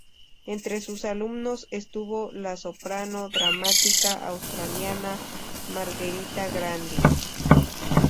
Entre sus alumnos estuvo la soprano dramática australiana Margherita Grandi.